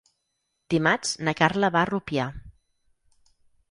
Dimarts na Carla va a Rupià.